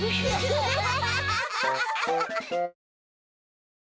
アハハハハ！